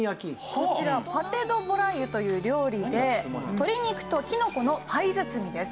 こちらパテ・ド・ボライユという料理で鶏肉とキノコのパイ包みです。